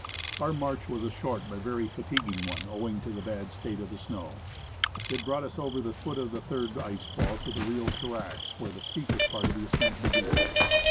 Our march was a short but very fatiguing one, owing to the bad state of the snow. It brought us over the foot of the third ice fall to the real sdracs, where the steepest part of the ascent begins.